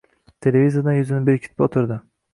Televizordan yuzini bekitib o‘tirdi.